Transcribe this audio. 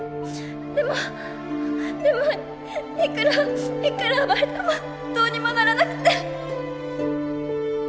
でもでもいくらいくらあがいてもどうにもならなくて。